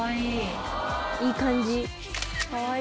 いい感じ？